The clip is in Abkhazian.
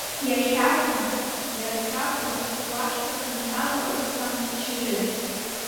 Иахьакәым, иацакәым уашҭа санҭала, усҟан шьыжьын…